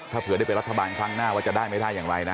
ถ้าเผื่อได้เป็นรัฐบาลครั้งหน้าว่าจะได้ไม่ได้อย่างไรนะ